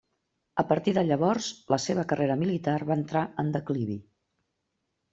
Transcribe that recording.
A partir de llavors, la seva carrera militar va entrar en declivi.